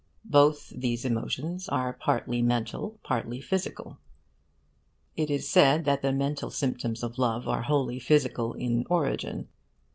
Both these emotions are partly mental, partly physical. It is said that the mental symptoms of love are wholly physical in origin.